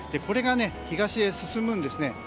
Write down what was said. これが東へ進むんですね。